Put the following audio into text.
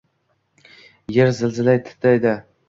Er zilziladay titradi